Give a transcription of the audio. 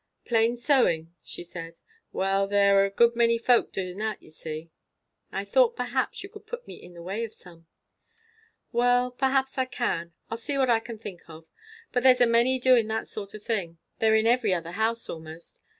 "Plain sewing?" she said. "Well, there's a good many folks doing that, you see." "I thought, perhaps, you could put me in the way of some." "Well, perhaps I can. I'll see what I can think of. But there's a many doing that sort o' thing. They're in every other house, almost.